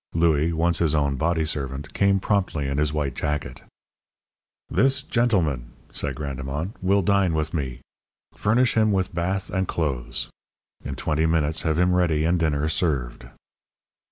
Louis, once his own body servant, came promptly, in his white jacket. "This gentleman," said Grandemont, "will dine with me. Furnish him with bath and clothes. In twenty minutes have him ready and dinner served."